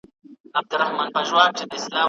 که تضاد نه وي نو ګډ ژوند به ښه وي.